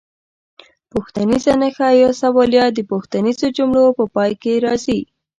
پوښتنیزه نښه یا سوالیه د پوښتنیزو جملو په پای کې راځي.